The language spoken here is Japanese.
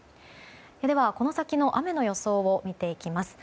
では、この先の雨の予想を見ていきます。